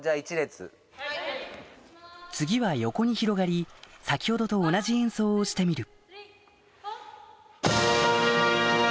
次は横に広がり先ほどと同じ演奏をしてみる